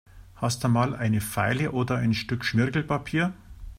Hast du mal eine Feile oder ein Stück Schmirgelpapier?